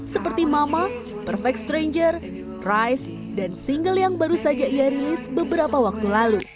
seperti mama perfect stranger price dan single yang baru saja ia rilis beberapa waktu lalu